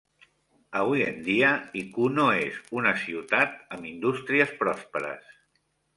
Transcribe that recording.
Avui en dia, Ikuno és una ciutat amb indústries pròsperes.